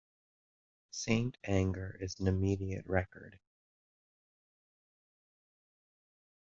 "Saint Anger" is an immediate record.